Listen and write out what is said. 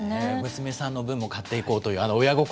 娘さんの分も買っていこうというあの親心。